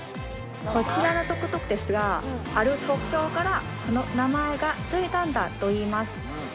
こちらのトゥクトゥクですがある特徴からこの名前が付いたんだといいます